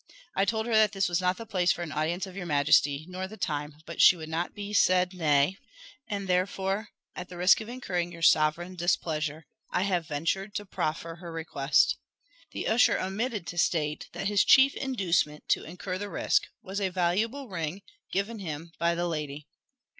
I told her that this was not the place for an audience of your majesty, nor the time; but she would not be said nay, and therefore, at the risk of incurring your sovereign displeasure, I have ventured to proffer her request." The usher omitted to state that his chief inducement to incur the risk was a valuable ring, given him by the lady.